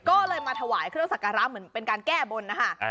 ก็เลยมาถวายเครื่องสักการะเหมือนเป็นการแก้บนนะคะ